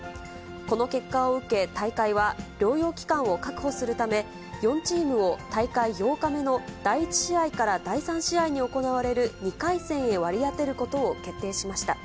この結果を受け、大会は療養期間を確保するため、４チームを大会８日目の第１試合から第３試合に行われる２回戦へ割り当てることを決定しました。